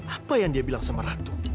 apa yang dia bilang sama ratu